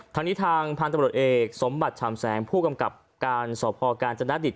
ทางนี้ทางพันธุ์บริโฆษฐ์เอกสมบัติชามแสงผู้กำกับการสอบพอการจนดัดดิต